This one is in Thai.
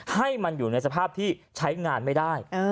ให้มันอยู่ในสภาพที่ใช้งานไม่ได้